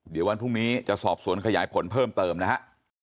เดี๋ยววันพรุ่งนี้จะสอบสวนขยายผลเพิ่มเติมนะฮะ